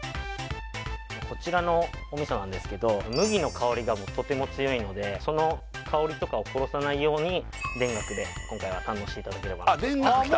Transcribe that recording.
こちらのお味噌なんですけど麦の香りがとても強いのでその香りとかを殺さないように田楽で今回は堪能していただければ田楽きた！